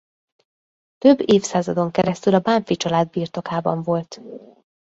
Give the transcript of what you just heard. Több évszázadon keresztül a Bánffy család birtokában volt.